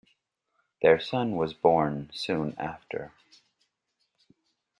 Their son was born soon after.